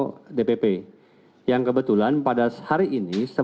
kami dpp partai golkar juga baru menerima tadi sore